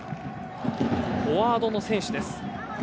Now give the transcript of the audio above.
フォワードの選手です。